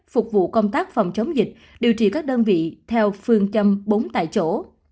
phục vụ công tác phòng chống dịch điều trị các đơn vị theo phương châm bốn tại chỗ